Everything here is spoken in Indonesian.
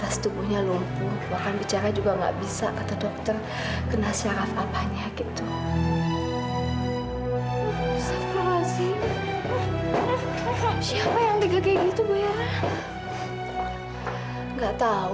sampai jumpa di video selanjutnya